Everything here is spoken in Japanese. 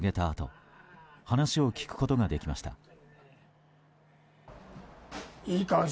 あと話を聞くことができました。